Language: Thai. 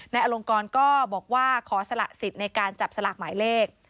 อลงกรก็บอกว่าขอสละสิทธิ์ในการจับสลากหมายเลข